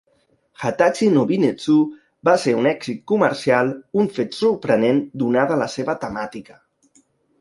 "Hatachi No Binetsu" va ser un èxit comercial, un fet sorprenent donada la seva temàtica.